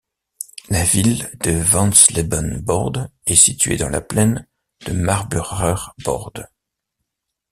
La ville de Wanzleben-Börde est située dans la plaine de Magdeburger Börde.